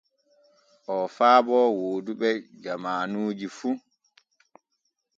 Oo faabo wooduɓe jamaanuji fu.